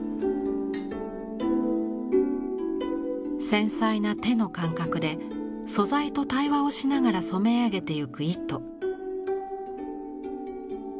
繊細な手の感覚で素材と対話をしながら染め上げてゆく糸。